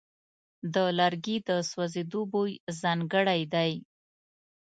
د لرګي د سوځېدو بوی ځانګړی دی.